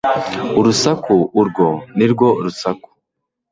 urusaku urwo ni rwo rusaku